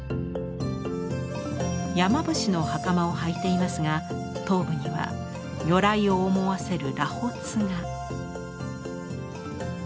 山伏の袴をはいていますが頭部には如来を思わせる螺髪が。